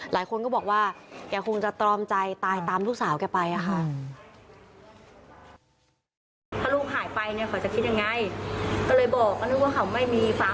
หลายคนก็บอกว่าแกคงจะตรอมใจตายตามลูกสาวแกไปค่ะ